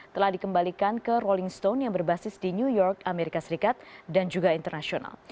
telah dikembalikan ke rolling stone yang berbasis di new york amerika serikat dan juga internasional